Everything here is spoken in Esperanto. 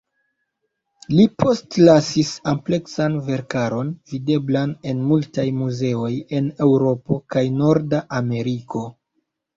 Li postlasis ampleksan verkaron, videblan en multaj muzeoj en Eŭropo kaj Norda Ameriko.